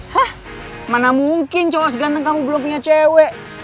hah mana mungkin cowok seganteng kamu belum punya cewek